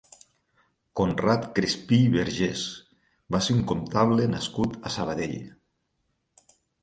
Conrad Crespí i Vergés va ser un comptable nascut a Sabadell.